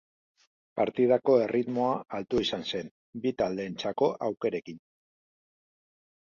Partidako erritmoa altua izan zen, bi taldeentzako aukerekin.